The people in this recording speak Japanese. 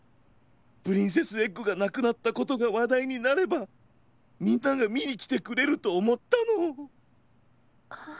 プリンセスエッグがなくなったことがわだいになればみんながみにきてくれるとおもったの。